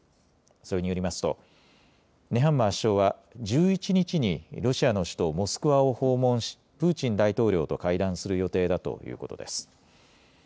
それによりますとネハンマー首相は１１日にロシアの首都モスクワを訪問しプーチン大統領と会談する予定だということです。